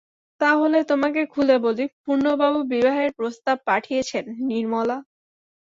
তা হলে তোমাকে খুলে বলি– পূর্ণবাবু বিবাহের প্রস্তাব করে পাঠিয়েছেন– নির্মলা।